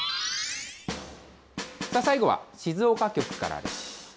最後は、静岡局からです。